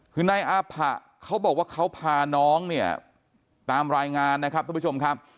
คือนายอาผะเขาบอกว่าเขาพาน้องเนี่ยตามรายงานนะครับทุกผู้ชมครับ